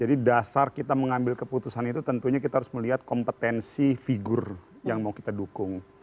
jadi dasar kita mengambil keputusan itu tentunya kita harus melihat kompetensi figur yang mau kita dukung